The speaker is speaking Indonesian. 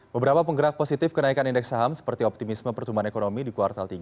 beberapa penggerak positif kenaikan indeks saham seperti optimisme pertumbuhan ekonomi di kuartal tiga